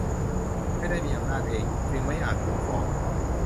ไม่ได้มีอำนาจเอง จึงไม่อาจถูกฟ้อง